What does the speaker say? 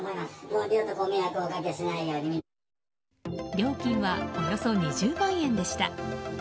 料金はおよそ２０万円でした。